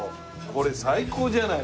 これ最高じゃない？